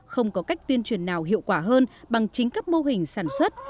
không có cách tuyên truyền nào hiệu quả hơn bằng chính các mô hình sản xuất